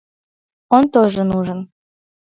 Он тоже нужен.